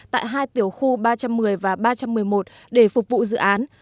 tại hai tiểu khu ba trăm một mươi và ba trăm một mươi một để phục vụ dự án